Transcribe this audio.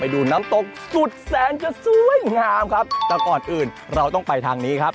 ในที่เรียกตรงน้ำตกสุดแสนจะซวยงามครับก็ก่อนอื่นเราต้องไปทางนี้ครับ